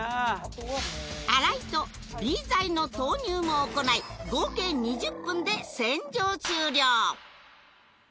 洗いとＢ剤の投入も行い合計２０分で洗浄終了